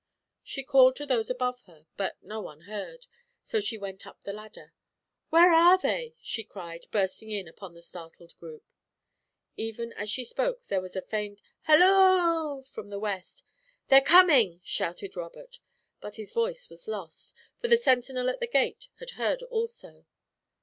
She called to those above her, but no one heard, so she went up the ladder. "Where are they?" she cried, bursting in upon the startled group. Even as she spoke there was a faint "halloo" from the west. "They're coming," shouted Robert, but his voice was lost, for the sentinel at the gate had heard also.